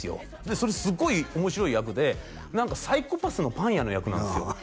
それすごい面白い役で何かサイコパスのパン屋の役なんですよ